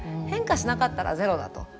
変化しなかったらゼロだと。